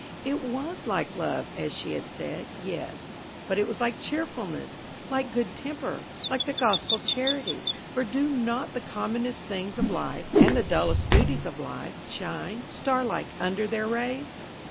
It was like love, as she had said,–yes; but it was like cheerfulness–like good temper–like the Gospel charity: for do not the commonest things of life, and the dullest duties of life, shine, star like, under their rays?